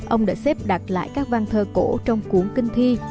ông đã xếp đặt lại các văn thơ cổ trong cuốn kinh thi